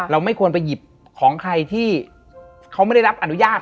ไม่ควรไปหยิบของใครที่เขาไม่ได้รับอนุญาต